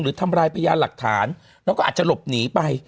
หรือทำร้ายประญาณหลักฐานแล้วก็อาจจะหลบหนีไป